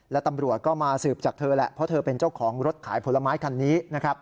และตำรวจก็มาสืบจากเธอแหละเพราะเธอเป็นเจ้าของรถขายผลไม้คันนี้นะครับ